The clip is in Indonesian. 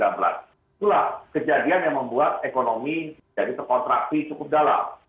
itulah kejadian yang membuat ekonomi jadi terkontraksi cukup dalam